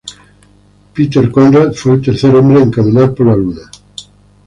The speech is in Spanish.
Pete Conrad fue el tercer hombre en caminar por la Luna.